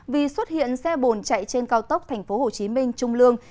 vì xuất hiện xe bồn chạy trên cao tốc tp hcm trung lương